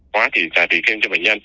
khóa thì xài tỷ thêm cho bệnh nhân